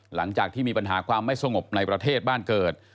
หลังจากที่มีปัญหาความไม่สงบในประเทศบ้านเกิด